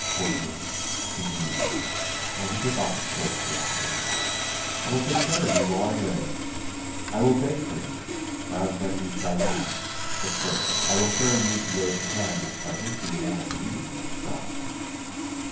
Poor dear," continued he, while he took off his coat to wrap it in, "I will take care of you while I live I will beg for you, rather than you shall want; but first, I will carry you to those who can, at present, do more for you than myself."